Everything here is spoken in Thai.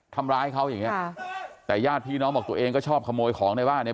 ทำร้ายเขาอย่างเงี้ค่ะแต่ญาติพี่น้องบอกตัวเองก็ชอบขโมยของในบ้านเนี่ย